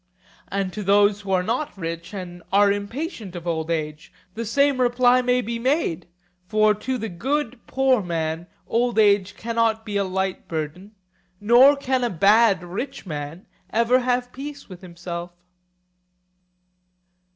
And to those who are not rich and are impatient of old age, the same reply may be made; for to the good poor man old age cannot be a light burden, nor can a bad rich man ever have peace with himself.